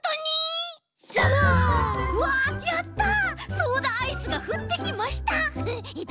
ソーダアイスがふってきました！